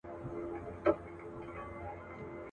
لا تر څو به دا سړې دا اوږدې شپې وي.